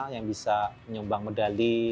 yang bisa menyumbang medali